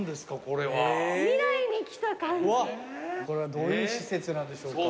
これはどういう施設なんでしょうか？